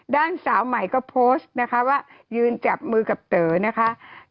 ด้านสาวใหม่ก็โพสต์นะคะว่ายืนจับมือกับเต๋อนะคะ